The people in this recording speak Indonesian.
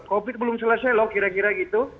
covid belum selesai loh kira kira gitu